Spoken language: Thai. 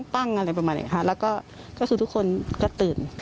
ปั้งอะไรประมาณนี้ค่ะแล้วก็คือทุกคนก็ตื่น